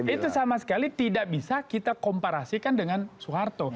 itu sama sekali tidak bisa kita komparasikan dengan soeharto